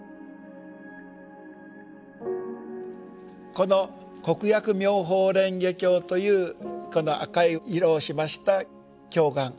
この「国訳妙法蓮華経」というこの赤い色をしました経巻